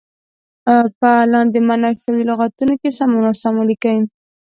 په لاندې معنا شوو لغتونو کې سم او ناسم ولیکئ.